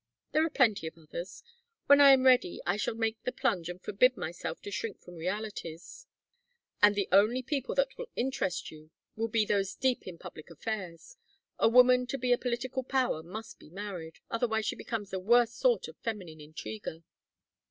"There are plenty of others. When I am ready I shall make the plunge and forbid myself to shrink from realities " "And the only people that will interest you will be those deep in public affairs. A woman to be a political power must be married. Otherwise she becomes the worst sort of feminine intriguer."